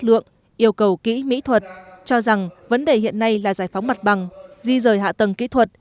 lượng yêu cầu kỹ mỹ thuật cho rằng vấn đề hiện nay là giải phóng mặt bằng di rời hạ tầng kỹ thuật